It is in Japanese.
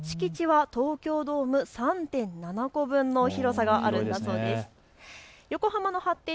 敷地は東京ドーム３．７個分の広さもあるんだそうです。